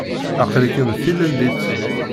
Aql-ikem d tilellit?